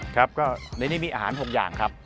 ครับก็ในนี้มีอาหาร๖อย่างครับ